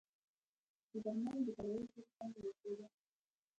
د درملو د کارولو طریقه مې وروښوده